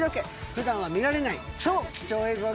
普段は見られない超貴重映像がいっぱいです。